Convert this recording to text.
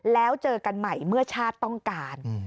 แล้วเจอกันใหม่เมื่อชาติต้องการ